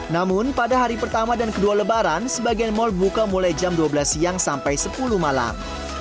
namun pada hari pertama dan kedua lebaran sebagian mal buka mulai jam dua belas siang sampai sepuluh malam